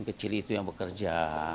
kecil itu yang bekerja